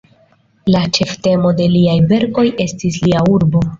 La ĉeftemo de liaj verkoj estis lia urbo.